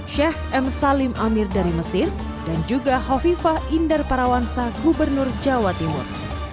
sheikh m salim amir dari mesir dan juga hovifah indar parawansa gubernur jawa timur